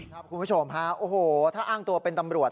ครับคุณผู้ชมถ้าอ้างตัวเป็นตำรวจ